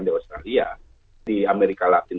di australia di amerika latin